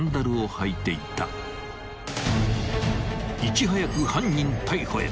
［いち早く犯人逮捕へ］